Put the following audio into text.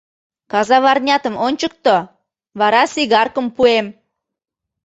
— Казаварнятым ончыкто, вара сигаркым пуэм...